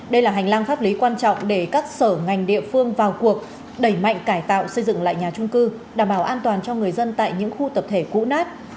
đây là hành lang pháp lý quan trọng để các sở ngành địa phương vào cuộc đẩy mạnh cải tạo xây dựng lại nhà trung cư đảm bảo an toàn cho người dân tại những khu tập thể cũ nát